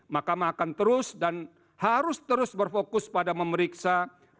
makamah akan terus dan harus terus berfokus pada memeriksa